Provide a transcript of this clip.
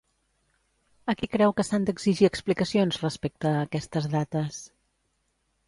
A qui creu que s'han d'exigir explicacions respecte a aquestes dates?